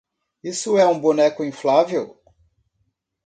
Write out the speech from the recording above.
Isso é um boneco inflável?